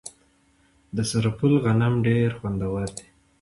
د سرپل غنم ډیر خوندور دي.